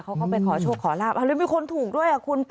เขาก็ไปขอโชคขอลาบแล้วมีคนถูกด้วยอ่ะคุณ